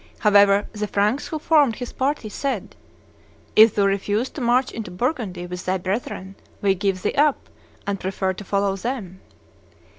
However, the Franks who formed his party said, "If thou refuse to march into Burgundy with thy brethren, we give thee up, and prefer to follow them."